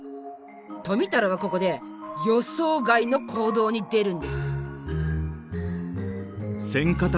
富太郎はここで予想外の行動に出るんです！